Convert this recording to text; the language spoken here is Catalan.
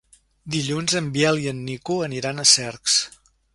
Dilluns en Biel i en Nico aniran a Cercs.